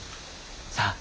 さあ。